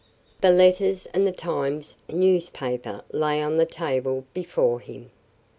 The letters and the Times newspaper lay on the table before him.